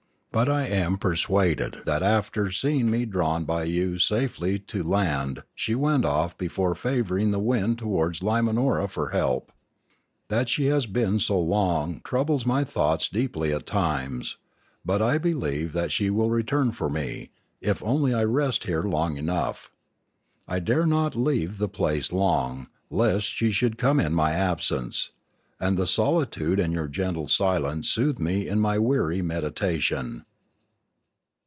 But I am per suaded that after seeing me drawn by you safely to land she went off before the favouring wind towards Limanora for help. That she has been so long troubles my thoughts deeply at times. But I believe that she will return for me, if only I rest here long enough. I dare not leave the place long, lest she should come in my absence. And the solitude and your gentle silence soothe me in my weary meditation.